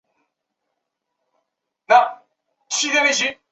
顶斑黄毒蛾为毒蛾科黄毒蛾属下的一个种。